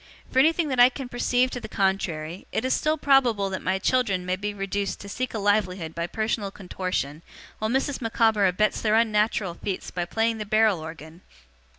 For anything that I can perceive to the contrary, it is still probable that my children may be reduced to seek a livelihood by personal contortion, while Mrs. Micawber abets their unnatural feats by playing the barrel organ.